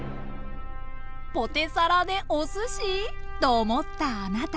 ポテサラでおすし？と思ったあなた。